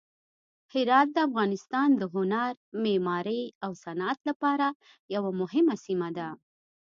هرات د افغانستان د هنر، معمارۍ او صنعت لپاره یوه مهمه سیمه ده.